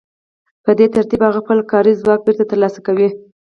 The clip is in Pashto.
په دې ترتیب هغه خپل کاري ځواک بېرته ترلاسه کوي